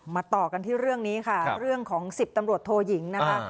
ต่อกันที่เรื่องนี้ค่ะเรื่องของ๑๐ตำรวจโทยิงนะคะ